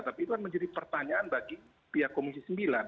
tapi itu kan menjadi pertanyaan bagi pihak komisi sembilan